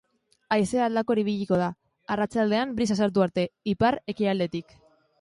Haizea aldakor ibiliko da, arratsaldean brisa sartu arte, ipar-ekialdetik.